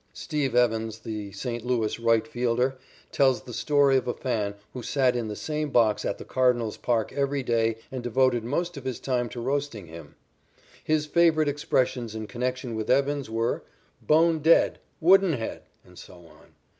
"Steve" Evans, the St. Louis right fielder, tells a story of a fan who sat in the same box at the Cardinals' park every day and devoted most of his time to roasting him (S. Evans). His favorite expressions in connection with Evans were "bone dead," "wooden head," and so on.